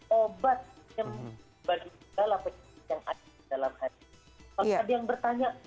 kalau tadi yang bertanya